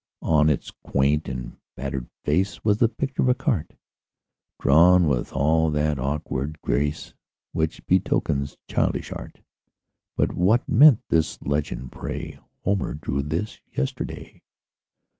On its quaint and battered face Was the picture of a cart, Drawn with all that awkward grace Which betokens childish art; But what meant this legend, pray: "Homer drew this yesterday?"